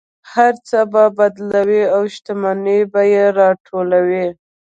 هر څه به بدلوي او شتمنۍ به یې لوټوي.